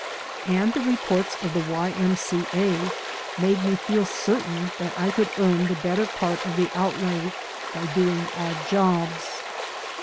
And the reports of the Y. M. C. A. made me feel certain that I could earn the better part of the outlay by doing odd jobs.